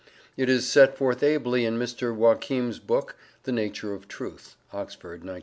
It is set forth ably in Mr. Joachim's book, "The Nature of Truth" (Oxford, 1906).